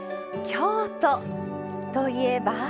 京都といえば。